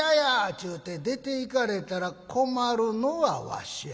ちゅうて出ていかれたら困るのはわしや。